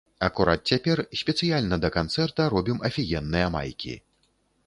Акурат цяпер спецыяльна да канцэрта робім афігенныя майкі.